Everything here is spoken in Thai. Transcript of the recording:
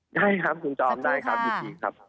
ได้ครับคุณจอมได้ครับอยู่ที่ครับ